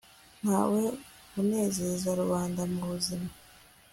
ntawe unezeza rubanda mu buzima